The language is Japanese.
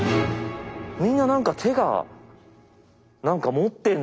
みんな何か手が何か持ってんすよ。